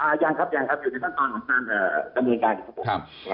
อ่ายังครับยังครับอยู่ในท่านตอนของท่านกำเนินการครับผม